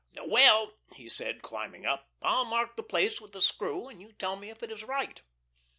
"Well," he said, climbing up, "I'll mark the place with the screw and you tell me if it is right."